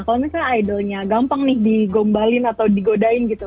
kalau misalnya idolnya gampang nih digombalin atau digodain gitu